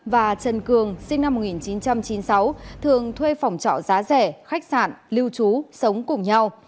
và trần cường sinh năm một nghìn chín trăm chín mươi sáu thường thuê phòng trọ giá rẻ khách sạn lưu trú sống cùng nhau